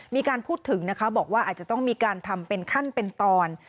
มีการพูดถึงนะคะบอกว่าอาจจะต้องมีการทำเป็นขั้นเป็นตอน